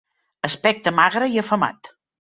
Aspecte magre i afamat